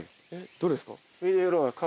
どれですか？